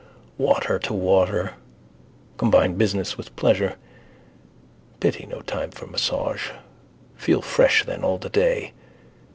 Water to water. Combine business with pleasure. Pity no time for massage. Feel fresh then all the day.